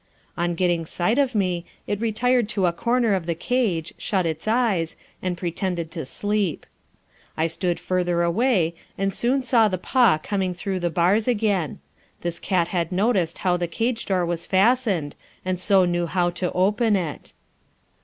On getting sight of me, it retired to a corner of the cage, shut its eyes, and pretended to sleep. I stood further away, and soon saw the paw coming through the bars again. This cat had noticed how the cage door was fastened, and so knew how to open it.